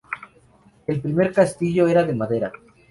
El primer Castillo era de madera.